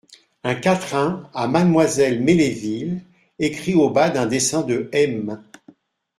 Un Quatrain à Mademoiselle Melesville, écrit au bas d'un dessin de M.